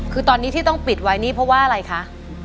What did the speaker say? คือตอนนี้ที่ต้องปิดไว้นี่เพราะว่าอะไรคะ